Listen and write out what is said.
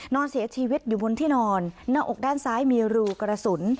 นอนเสียชีวิตอยู่บนที่นอนหน้าอกด้านซ้ายมีรูกระสุน